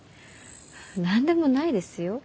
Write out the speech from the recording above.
何でもないですよ。